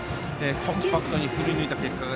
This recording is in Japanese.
コンパクトに振り抜いた結果